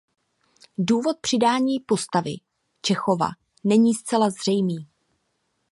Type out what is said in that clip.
Důvod přidání postavy Čechova není zcela zřejmý.